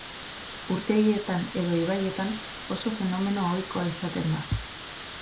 Urtegietan, edo ibaietan, oso fenomeno ohikoa izaten da.